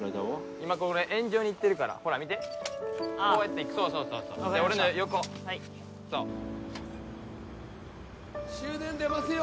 今これ円状にいってるからほら見てこうやっていくそうそうで俺の横そう・終電出ますよ！